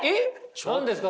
何ですか？